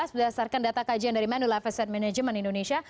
berdasarkan data kajian dari manule asset management indonesia